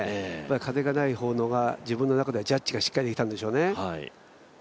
風がない方のが自分の中ではジャッジがしっかりできたんでしょうね。